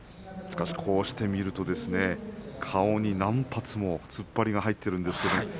こうして見ると顔に何発も突っ張りが入っているんですよね。